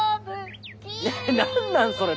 何なんそれ！